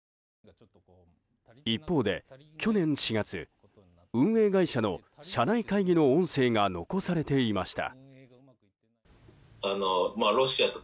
一方で、去年４月運営会社の社内会議の音声が残されていました。